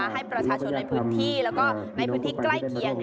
ให้ประชาชนในพื้นที่แล้วก็ในพื้นที่ใกล้เคียง